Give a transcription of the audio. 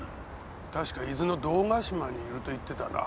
確か伊豆の堂ヶ島にいると言ってたなぁ。